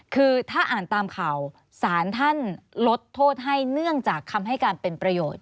คือถ้าอ่านตามข่าวสารท่านลดโทษให้เนื่องจากคำให้การเป็นประโยชน์